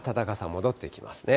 戻ってきますね。